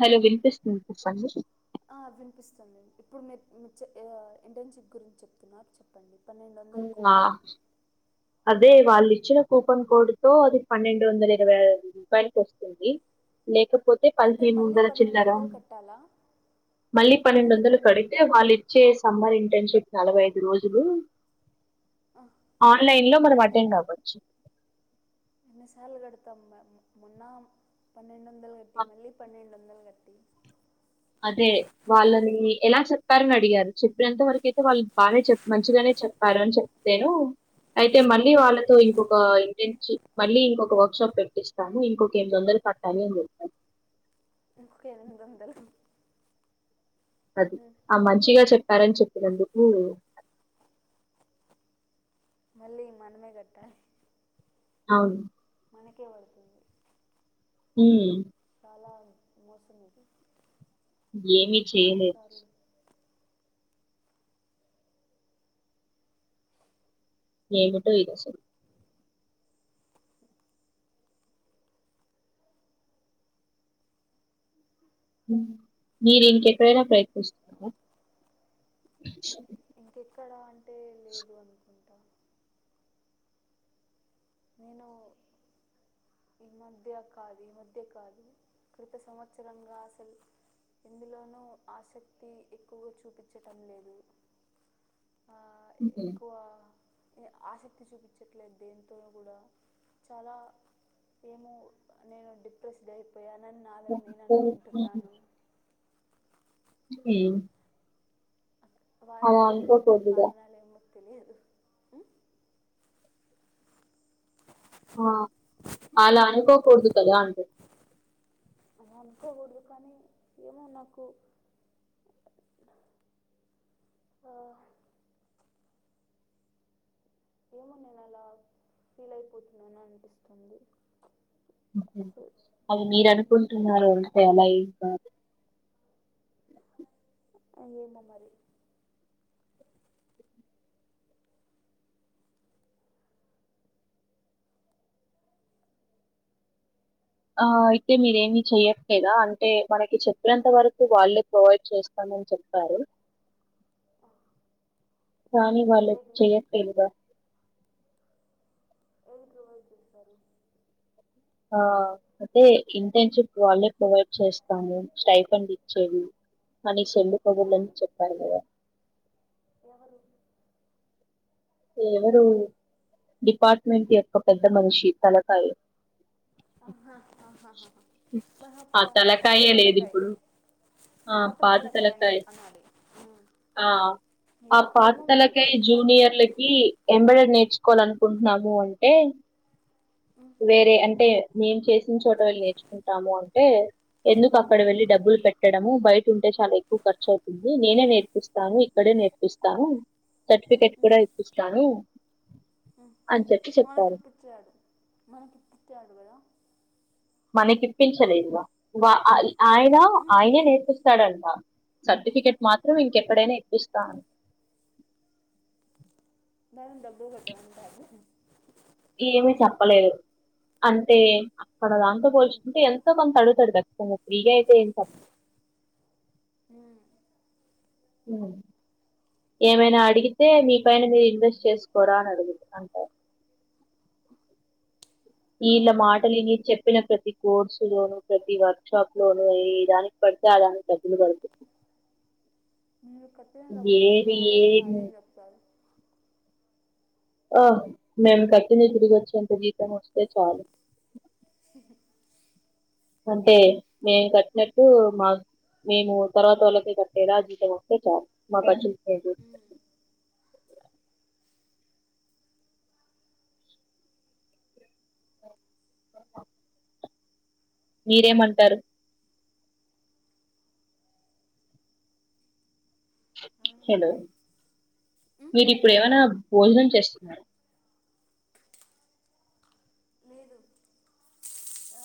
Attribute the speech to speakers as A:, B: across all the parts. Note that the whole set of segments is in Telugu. A: హలో విన్పిస్తుంది చెప్పండి
B: ఆ వినిపిస్తుంది ఇప్పుడు మీర్ మీరు చె ఇంటర్న్షిప్ గురించి చెప్తున్నారు చెప్పండి పన్నెండు వందల ల
A: ఆ
B: కూపన్
A: అదే వాళ్ళు ఇచ్చిన కూపన్ కోడ్ తో అది పన్నెండు వందల ఇరవై రూపాయలకి వస్తుంది లేక
B: అంటే మళ్ళీ పన్నెండు వందలు కట్టాలా
A: మళ్ళీ పన్నెండు వందలు కడితే వాళ్ళు ఇచ్చే సమ్మర్ ఇంట్ టర్నషిప్ నలభై ఐదు రోజులు
B: ఆ
A: లైవ్ లో మనం అటెండ్ అవచ్చు
B: ఎన్ని సార్లు కడతా మేమ్ మొన్నా పన్నెం వందలు కట్టి
A: ఆ,
B: మళ్ళీ పన్నెడు వందలు క కట్టి
A: అదే వాళ్ళని ఎలా చెప్పారని అడిగారు చెప్పినంత వరకు అయితే వాళ్ళు బానే చెప్ మంచిగానే చెప్పారు అని చెప్తేను అయితే మళ్ళీ వాళ్ళతో ఇంకొక ఇంటెన్ మళ్ళీ ఇంకొక వర్క్ షాప్ పెట్టిస్తాను ఇంకొక ఎనిమి వందలు కట్టాలి అని చెప్పాను
B: ఇంకొక ఎనిమిది వందలు
A: అది
B: ఉమ్,
A: ఆ మంచిగా చెప్పారని చెప్పినందుకు
B: మళ్ళీ మనమే కట్టాలి
A: అవును
B: మనకే పడుతుంది
A: హు
B: చాల మోసం ఇది
A: ఏమి చేయలే
B: ఎన్నిసార్లు
A: ఏమిటో ఇది అసలు మీరు ఇంకెక్కడైన ప్రయత్నిస్తార
B: ఇంకెక్కడా అంటే లేదు అనుకుంట నేను ఈ మధ్య కాదు ఈ మధ్య కాదు క్రిత సంవత్సరంగా అసలు ఇందులోనూ ఆసక్తి ఎక్కువగా చూపించటం లేదు ఆ
A: హ్మ్.
B: ఎక్కువ ఆసక్తి చూపించట్లేదు దే [unintelligible] చాల ఏమో నేను డిప్రెస్డ్ అయిపోయ అన్న నాద నేను అనుకుంటున్నాను
A: ఉమ్
B: వాటివనుకున్న కారణలేమో
A: ఆ! అలా అనుకోకూడదు కదా! అంటున్నా.
B: అల అనుకోకూడదు కానీ ఏమో నాకు ఆ ఏమో నేను అలా ఫీల్ అయిపోతున్నాను అనిపిస్తుంది అసలు
A: అది మీరు అనుకుంటున్నారు అంటే అలా ఏంకాదు
B: ఆ ఏమో మరి
A: ఆ అయితే మీరేమి చెయ్యట్లేద అంటే మనకి చెప్పినంత వరకు వాళ్ళే ప్రొవైడ్ చేస్తం అని చెప్పారు
B: ఆ
A: కానీ వాళ్ళు చేయట్లేదు గ
B: [unintelligible]
A: ఆ అయితే ఇంటర్న్షిప్ వాళ్ళే ప్రొవైడ్ చేస్తాను స్టైఫండ్ ఇచ్చేవి మనీ చెల్ందుపోదులని
B: ఎవరు
A: చెప్పారు కదా
B: ఎవరు
A: ఎవరు డిపార్ట్మెంట్ యొక్క పెద్ద మనిషి తలకాయ
B: ఆహా ప
A: ఆ
B: పాత
A: తలకాయే
B: తలకాయ్
A: లేదిప్పుడు. ఆ!
B: పాత తలకాయ్
A: తలకాయ.
B: అనలి
A: ఆ! ఆ పాత్రలకి జూనియర్లకి ఎంబెడెడ్ నేర్చుకోవాలి అనుకుంటున్నాము అంటే వేరే అంటే మేము చేసిన చోట వేల్ నేర్చుకుంటాము అంటే ఎందుకు అక్కడ వెళ్ళ డబ్బులు పెట్టడము బయ్ ఉంటే చాల ఎక్కువ ఖర్చు అవుతుంది నేనే నేర్పిస్తాను ఇక్కడే నేర్పిస్తాను సర్టిఫికేట్ కూడ ఇప్పిస్తాను అని చెప్పి
B: మనకి
A: చెప్పారు
B: ఇప్పించాడు మనకి తీటాడు కదా
A: మనకి ఇప్పించలేదుగా ఆయన ఆయనే నేర్పిస్తాడంట సర్టిఫికెట్ మాత్రం ఇంకెక్కడైనా ఇప్పిస్తా అం
B: [unintelligible]
A: ఏమి చెప్పలేదు అంటే అక్కడ దాంతో పోల్చుకుంటే ఎంతో కొంత అడుగుతాడు త ఫ్రీగా అయితే ఏం సప్
B: ఉమ్
A: ఉమ్ ఏమైనా అడిగితే మీ పైన మీరు ఇన్వెస్ట్ చేసుకోరా అని అడుగుత అంటారు వీళ్ళ
B: ఏమన్నాడు
A: మాటలు విని చెప్పినక ప్రతి కోర్సు లోనుూ ప్రతి వర్క్ షాప్ లోనుూ ఏ దానికి పడితే ఆ దానికి డబ్బులు కడుతుంది
B: మీరు కట్టిన డబ్బులకే
A: ఏది
B: డబుల్
A: ఏది
B: వస్తాయిని చెప్తారు
A: ఆ మేమ్ కట్టింది తిరిగి వచ్చేంత జీతం వస్తే చాలు అంటే మేం కట్టినట్టు మాకు మేము తర్వాత వాళ్ళక కట్టేలా జీవితం వస్తే చాలు మా కచ్చి
B: అ
A: మీరేమంటారు హలో మీరు ఇప్పుడు ఏమైనా భోజనం చేస్తున్నారు
B: లేదు ఆ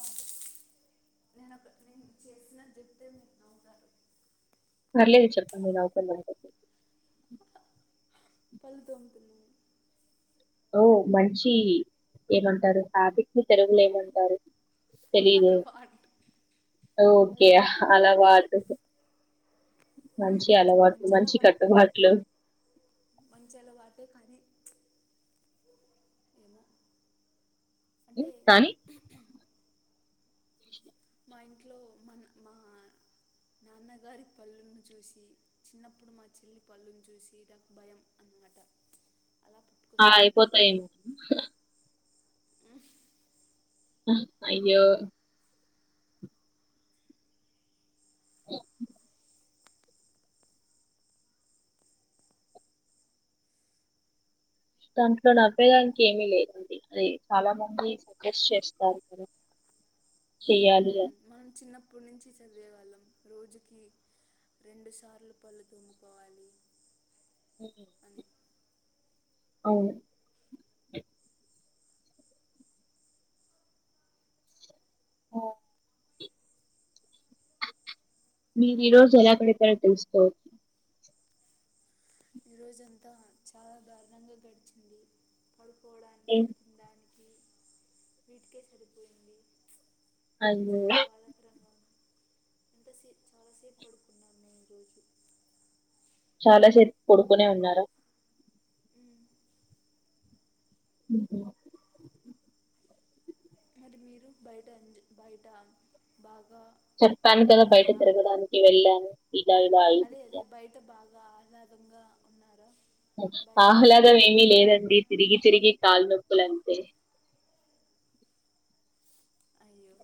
B: నేను ఒక నేను చేసిన చెప్తే మీకు నవ్వుతారు
A: పర్లేదు చెప్పు నవ్వుకుందాం
B: పళ్ళు తింటున్నాను
A: ఓ మంచి ఏమంటారు హాబిట్ ని తెలుగులో ఏమంటారు తెలిదు
B: అలవాటు
A: ఓకే
B: అలవాటు
A: అలవాటు మంచి అలవాట్లు మంచి కట్టుబాట్లు
B: మంచి అలవాటే కానీ ఏమో అంటే
A: కానీ
B: మా ఇంట్లో మన మాహా నాన్నగారి పళ్ళలను చూసి చిన్నప్పుడు మా చెల్లి పళ్ళని చూసి నాకు భయం అంత అంగట
A: అయిపోతాయి అయ్యో దాంట్లో నవ్వేదానికి ఏమీ లేదండి అది చాలా మంది సజెస్ట్ చేస్తారు కదా చేయ్యాలీగా
B: అప్పుటి నుంచి చదివేవాళ్ళం రోజుకి రెండు సార్లు పళ్ళు తోముకోవాలి
A: ఉ
B: అని
A: అవును ఆఓ మీరు ఈ రోజు ఎలాగదీపరో తెలుసుకోవచ్చు
B: ఈ రోజఅంతా చాలా దారుణంగా గడిచింది పడుకో
A: ఏ
B: వీటికే సరిపోయింది
A: అయ్యో
B: ఎంతసే చాలాసేపు పడుకున్నా నేను ఈరోోజు
A: చాలా సేపు పడుకునేఉన్నార
B: మ్,
A: ఉ
B: మరి మీరు బయట ఎంజా బయట బాగా
A: చెప్పాను
B: ఆ,
A: కదా బయట
B: ఆ-
A: తిరగడానికి వెళ్ళాను ఇలా ఇలా అయి
B: బ ఆహ్లాదంగా ఉన్నారా బయట
A: ఆహ్లాదం ఏమీ
B: మంచిగా
A: లేదండి తిరిగి తిరిగి కాలునొప్పులంతే
B: అయ్యో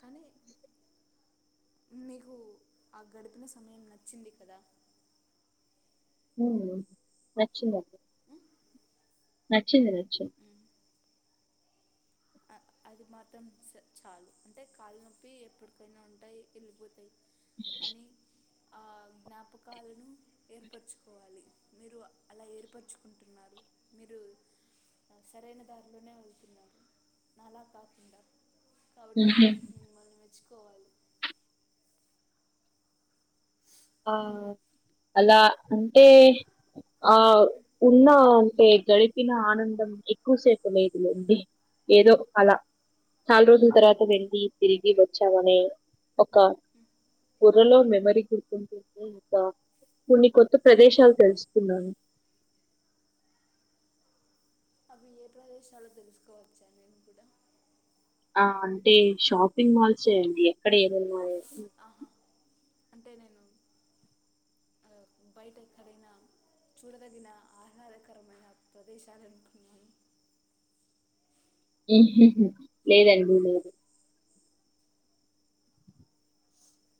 B: కానీ మీకు ఆ గడిపిన సమయం నచ్చింది కదా
A: ఉమ్ నచింధి
B: ఉం?
A: నచ్చింది నచ్చింది
B: అది మాత్రం చ చాలు అంటే కాళ్ళ నొప్పి ఎప్పటికైనా ఉంటాయి వెళ్ళిపోతాయి కానీ ఆ జ్ఞాపకాలను ఏర్పరచుకోవాలి మీరు అలా ఏర్పరుచుకుంటున్నారు మీరు సరైన దారిలోనే వెళ్తున్నారు అలా కాకుండా కాబట్టి
A: హుహు.
B: దానికి మిమ్మల్ని మెచ్చుకు
A: ఆ అలా అంటే ఆ ఉన్న అంటే గడిపిన ఆనందం ఎక్కువ సేపు వేదులుండి ఏదో అలా చాలా రోజుల తర్వాత వెళ్ళి తిరిగి వచ్చామనే ఒక పరలో మెమరి కొడుతు కొన్ని కొత్త ప్రదేశాలు తెలుసుకుందం
B: [inaudible] అవి ఏ ప్రదేశలో తెలుసుకోవచ్చా నేను కూడా
A: ఆ అంటే షాపింగ్ మాల్స్ అండి ఎక్కడ ఏమున్నాయో
B: ఆహా అంటే నేను బైట ఏక్కడేనా చూడదగిన ఆహ్దకరమైన ప్రదేశాలు అనుకున్నాను
A: హు లేదండి లేదు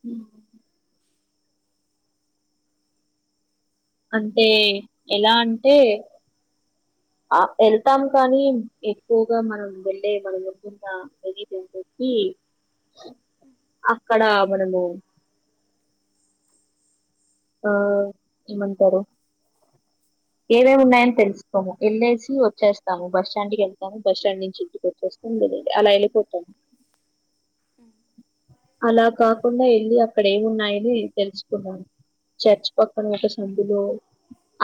A: హ [unintelligible] అంటే ఎలా అంటే ఆ వెళ్తాం కానీ ఎక్కువగా మనం వెళ్ళే మనం ఎవగుడా [unintelligible] ఈ అక్కడ మనము
B: [inaudible]
A: ఆ ఏమంటారు ఏవేమి ఉన్నాయని తెలుసుకోము వెళ్ళేసి వచ్చేస్తాము బస్ స్టాండ్ వెళ్తాము బస్ స్టాండ్ నుంచి ఇంటికి వచ్చేస్త అలా వెల్లిపోతం
B: అ [unintelligible]
A: అలా కాకుండా వెళ్ళి అక్కడ ఏమిన్నాయని తెలుసుకున్నాను చర్చ్ పక్కన ఒక సందిలో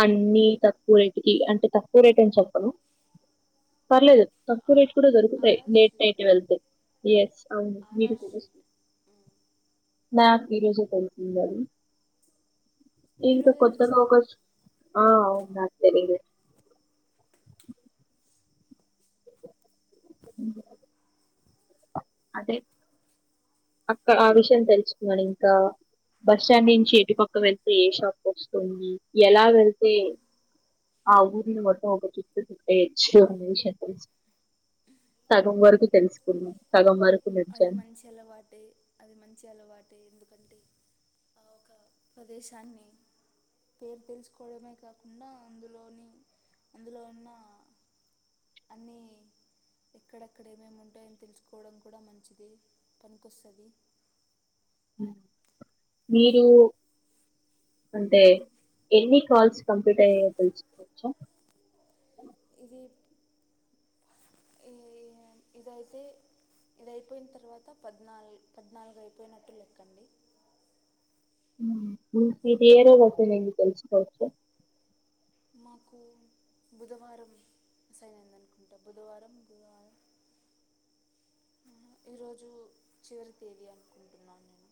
A: అన్ని తక్కువ రేటు కి అంటే తక్కువ రేట్ అని చెప్పను పర్లేదు తక్కువ రేట్ కూడా దరుకుది ఏ
B: ఆర్ఆర్ స్ట్రీట్
A: [unintelligible] అవును మీరు
B: ఆర్ఆర్ స్ట్రీట్
A: నాకు ఈ రోజే తెలిసింది అది ఈక
B: ఈరోజే
A: కొత్తగా
B: తెలిసిందా
A: ఒకచుక్ సర [unintelligible] ఉ [unintelligible] అదే అక్క ఆ విషయం తెలుసుకున్నాడు ఇంకా బస్ స్టాండ్ నుంచి ఎటుపక్క వెళ్తే ఏ షాప్ వస్తుంది ఎలా వెళ్తే ఆ ఊరి ని ఒక చట్టు చుటయచ్చు అనే విషయం తెలసు సగం వరకు తెలుసుకున్నాం సగం వరకు
B: అది
A: నడిచాను
B: మంచి అలవాటే అది మంచి అలవాటే ఎందుకంటే ఆ ఒక ప్రదేశాన్ని పేరు తెలుసుకోవడమే కాకుండా అందులోని అందులో ఉన్న అన్ని ఎక్కడక్కడ ఏమేమి ఉంటాయని తెలుసుకోవడం కోసం కూడా మంచిది పనికొస్తది
A: మీరు అంటే ఎన్ని కాల్స్ కంప్లీట్ అయ తెలుసుకోవచ్చ,
B: ఇది ఏంది ఇదయితే, ఇదియిపోయిన తర్వాత పద్నాలు పద్నాలుగు అయిపోయినట్టు లెక్కండి,
A: [unintelligible]
B: నాకు బుధవారం మె అసైనంద అనుకుంటా బుధవారం బధవారం ఈరోజు చివరి తేది అనుకుంటున్నాను, నేను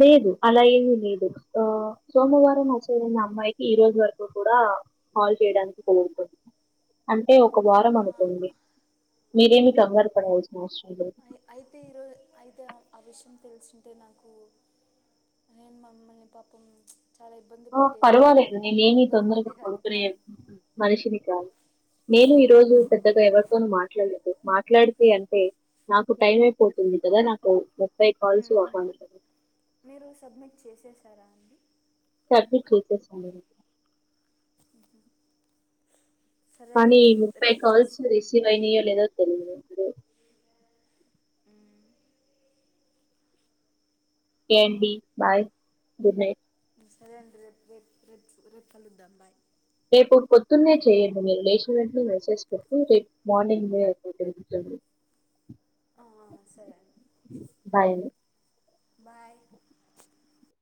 A: లేదు అలా ఏమి లేదు ఆ
B: ఉమ్,
A: సోమవారం అషన్ వచ్చేదన అమ్మాయికి ఈ రోజు వరకు కూడా హ కాల్ చేయడానికి కొన్ని రోజులు పడుతుంది.
B: [unintelligible]
A: అంటే ఒక వారం
B: అవునా
A: అవుతుంది, మీరేమి కంగారుపడవచ్చు
B: అయితే ఈరోజు అయితే ఆ విషయం తెలిసుంటే నాకు నేను మమ్మల్ని పాపం చాలా ఇబ్బంది
A: ఆ
B: పెట్టేశాను
A: పర్వాలేదు
B: అలా
A: నేనేమి
B: ఇబ్బంది
A: తొందరగా
B: పెట్టేదాన్ని
A: పడుకునే
B: కాదు
A: మనిషిని కాదు, నేను ఈ రోజు పెద్దగా ఎవరితోనూ మాట్లాడలేదు, మాట్లాడితే అంటే నాకు టైం అయిపోతుంది కదా నాకు తై కాల్స్
B: ఉమ్, ఉమ్.
A: ఆహా
B: మీరు సబ్మిట్ చేసేసారా అండి
A: చకిీ కల్తే చ లేద
B: సరే
A: కానీ
B: అయితే
A: ఈ ముప్పై
B: రేపు చేసి
A: కాల్స్
B: ఉమ్,
A: రిసీవ్ అయినాయో లేదో తెలియదు
B: ఉమ్.
A: ఒకే అండీ బాయ్ గుడ్ నైట్
B: సరే అండి రేపు రేపు రె కలుద్దా బాయ్
A: రేపు పొద్దున్నే చేయండి మీరు లేచిన వెంటనే మెసేజ్ పెడితే రేపు మార్నింగ్ జరుగుతుంది.
B: ఆ సరే అండి
A: బాయ్ అని
B: బాయ్